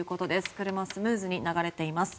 車はスムーズに流れています。